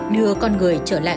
đưa con người trở lại